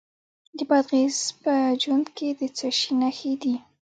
د بادغیس په جوند کې د څه شي نښې دي؟